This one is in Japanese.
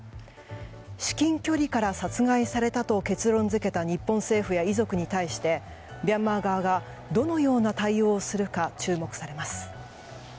至近距離から殺害されたと結論付けた日本政府や遺族に対してミャンマー側がどのような対応をするか注目されます。